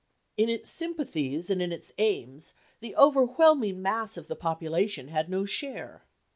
In its sympathies and in its aims the overwhelming mass of the population had no share.